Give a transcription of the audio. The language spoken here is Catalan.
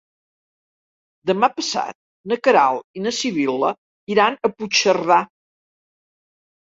Demà passat na Queralt i na Sibil·la iran a Puigcerdà.